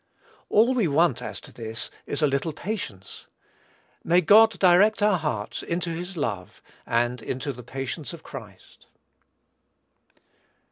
All we want, as to this, is a little patience. May God direct our hearts into his love, and into "the patience of Christ!"